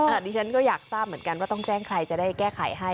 อันนี้ฉันก็อยากทราบเหมือนกันว่าต้องแจ้งใครจะได้แก้ไขให้